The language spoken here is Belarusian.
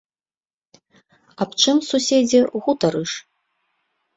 Аб чым, суседзе, гутарыш?